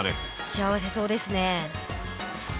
幸せそうですね。